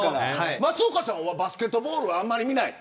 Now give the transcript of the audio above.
松岡さんはバスケットボールあんまり見ない。